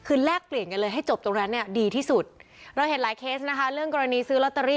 คือแลกเปลี่ยนกันเลยให้จบตรงนั้นเนี่ยดีที่สุดเราเห็นหลายเคสนะคะเรื่องกรณีซื้อลอตเตอรี่